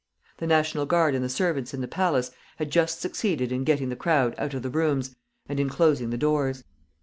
The National Guard and the servants in the palace had just succeeded in getting the crowd out of the rooms and in closing the doors.